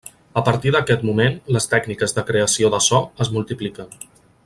A partir d'aquest moment les tècniques de creació de so es multipliquen.